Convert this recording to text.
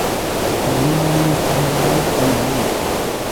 சர்மாவின் சம்பளம் என்ன?